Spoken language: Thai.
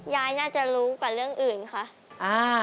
ยายน่าจะรู้กว่าเรื่องอื่นค่ะ